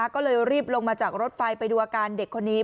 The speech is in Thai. ก็เลยรีบลงมาจากรถไฟไปดูอาการเด็กคนนี้